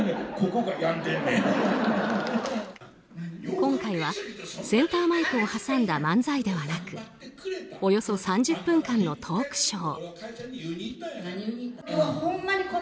今回はセンターマイクを挟んだ漫才ではなくおよそ３０分間のトークショー。